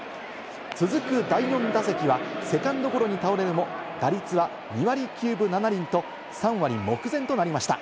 続く第４打席はセカンドゴロに倒れるも打率は２割９分７厘と３割目前となりました。